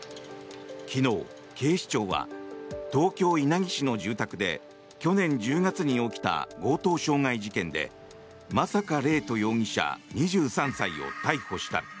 昨日、警視庁は東京・稲城市の住宅で去年１０月に起きた強盗傷害事件で真坂怜斗容疑者、２３歳を逮捕した。